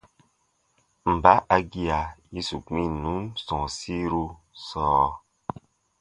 Mba a gia yĩsi gbinnun sɔ̃ɔsiru sɔɔ?